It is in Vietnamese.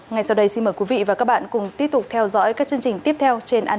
ngay sau đây xin mời quý vị và các bạn cùng tiếp tục theo dõi các chương trình tiếp theo trên annt